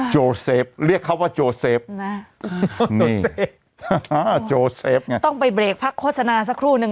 โจเซฟเรียกเขาว่าโจเซฟนะนี่โจเซฟไงต้องไปเบรกพักโฆษณาสักครู่นึง